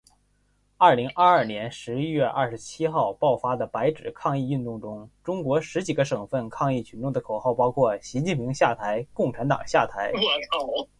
二零二二年十一月二十七号爆发的白纸抗议运动中，中国十几个省份抗议群众的口号包括“习近平下台，共产党下台”